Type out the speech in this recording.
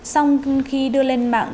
xong khi đưa lên mạng